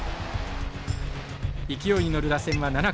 勢いに乗る打線は７回。